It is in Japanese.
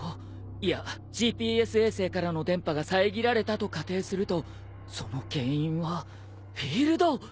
いやＧＰＳ衛星からの電波が遮られたと仮定するとその原因はフィールド！